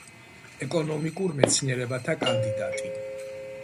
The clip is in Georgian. ეკონომიკურ მეცნიერებათა კანდიდატი.